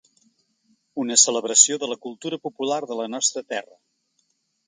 Una celebració de la cultura popular de la nostra terra.